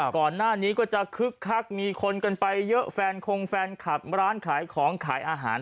ก่อนหน้านี้ก็จะคึกคักมีคนกันไปเยอะแฟนคงแฟนคลับร้านขายของขายอาหาร